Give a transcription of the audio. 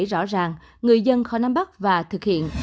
rõ ràng người dân khỏi nam bắc và thực hiện